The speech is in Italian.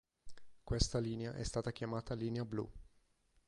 Questa linea è stata chiamata linea blu.